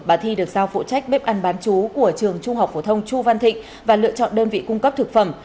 bà thi được giao phụ trách bếp ăn bán chú của trường trung học phổ thông chu văn thịnh và lựa chọn đơn vị cung cấp thực phẩm